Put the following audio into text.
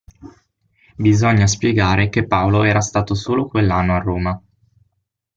Bisogna spiegare che Paolo era stato solo quell'anno a Roma.